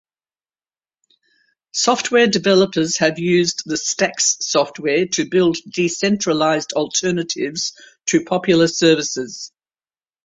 Software developers have used the Stacks software to build decentralized alternatives to popular services.